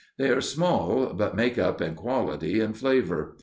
They are small, but make up in quality and flavor.